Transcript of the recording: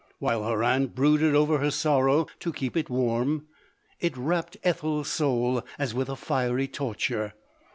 While her aunt brooded over her sor row " to keep it warm," it wrapped Ethel's soul as with a fiery torture.